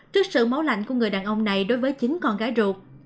trước sự máu lạnh của người đàn ông này đối với chính con gái ruột